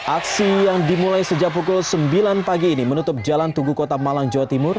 aksi yang dimulai sejak pukul sembilan pagi ini menutup jalan tugu kota malang jawa timur